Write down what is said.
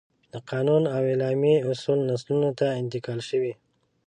د قانون او اعلامیه اصول نسلونو ته انتقال شوي.